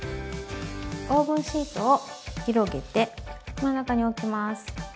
オーブンシートを広げて真ん中に置きます。